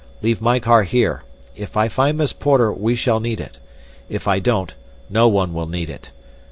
"Leave my car here. If I find Miss Porter we shall need it. If I don't, no one will need it.